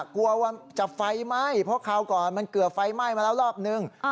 กลัวว่าจะไฟไหม้เพราะคราวก่อนมันเกิดไฟไหม้มาแล้วรอบนึง